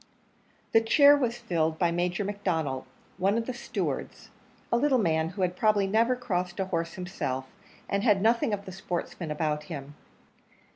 The chair was filled by Major McDonnell, one of the stewards a little man, who had probably never crossed a horse himself, and had nothing of the sportsman about him.